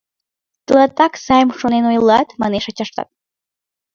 Тылатак сайым шонен ойлат, — манеш ачаштат.